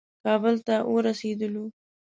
کابل ته ورسېدلو.